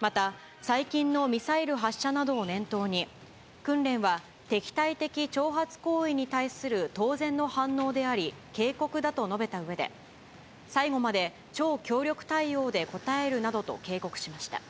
また、最近のミサイル発射などを念頭に、訓練は敵対的挑発行為に対する当然の反応であり、警告だと述べたうえで、最後まで超強力対応で応えるなどと警告しました。